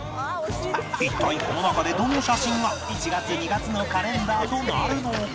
一体この中でどの写真が１月２月のカレンダーとなるのか？